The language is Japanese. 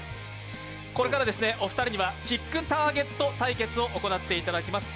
これから、お二人にはキックターゲット対決を行っていただきます。